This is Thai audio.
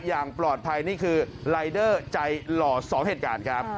อย่างปลอดภัยนี่คือรายเดอร์ใจหล่อ๒เหตุการณ์ครับ